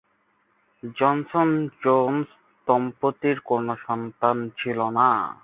Johnson-Jones দম্পতির কোন সন্তান ছিল না।